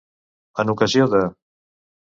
En ocasió de.